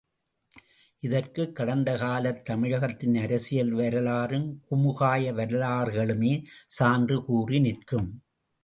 இதற்குக் கடந்த காலத் தமிழகத்தின் அரசியல் வரலாறும், குமுகாய வரலாறுகளுமே சான்று கூறி நிற்கும்.